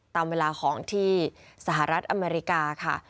ตามเวลาของที่สหรัฐอเมริกาค่ะ